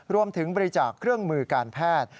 รวมถึงบริจาคเครื่องมือการแพทย์